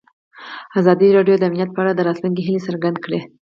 ازادي راډیو د امنیت په اړه د راتلونکي هیلې څرګندې کړې.